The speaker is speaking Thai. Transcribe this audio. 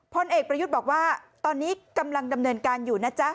พลเอกประยุทธ์บอกว่าตอนนี้กำลังดำเนินการอยู่นะจ๊ะ